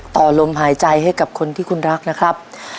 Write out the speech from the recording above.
ต่อลมหายใจให้กับคนที่คุณรักนะครับ